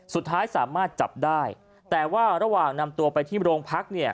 สุดท้ายสามารถจับได้แต่ว่าระหว่างนำตัวไปที่โรงพักเนี่ย